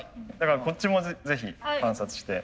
こっちもぜひ観察して。